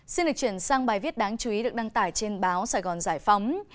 xin được chuyển sang bài viết đáng chú ý được đăng tải trên báo sài gòn giải phóng